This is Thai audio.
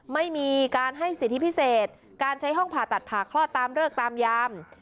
ไม่มีการให้สิทธิพิเศษการใช้ห้องผ่าตัดผ่าคลอดตามเลิกตามยาม